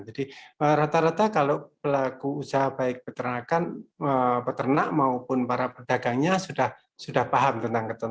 jadi rata rata kalau pelaku usaha baik peternakan peternak maupun para pedagangnya sudah paham tentang ketentuan ini